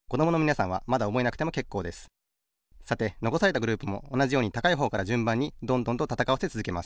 さてのこされたグループもおなじように高いほうからじゅんばんにどんどんとたたかわせつづけます。